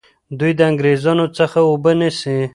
دوی د انګریزانو څخه اوبه نیسي.